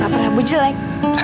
tak pernah gue jelek